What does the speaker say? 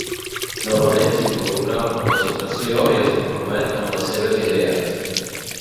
Novament s'involucra amb la situació i es compromet amb les seves idees.